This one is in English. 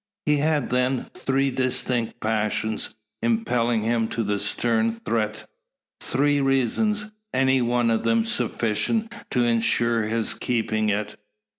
He had then three distinct passions impelling him to the stern threat three reasons, any of them sufficient to ensure his keeping it.